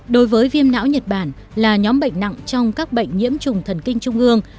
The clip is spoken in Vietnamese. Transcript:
đối với viêm não nhật bản là nhóm bệnh nặng trong các bệnh nhiễm trùng thần kinh trung ương